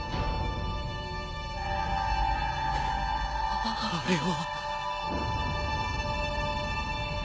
あれは。